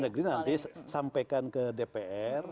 kementerian dan negeri nanti sampaikan ke dpr